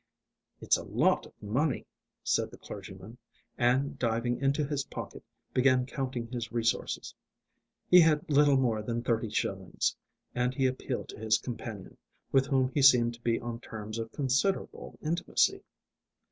"It's a lot of money," said the clergyman, and, diving into his pocket, began counting his resources. He had little more than thirty shillings, and he appealed to his companion, with whom he seemed to be on terms of considerable intimacy.